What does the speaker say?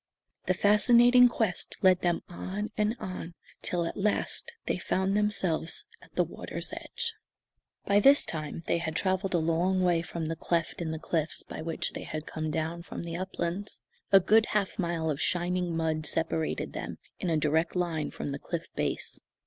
The fascinating quest led them on and on till at last they found themselves at the water's edge. By this time they had travelled a long way from the cleft in the cliffs by which they had come down from the uplands. A good half mile of shining mud separated them, in a direct line, from the cliff base.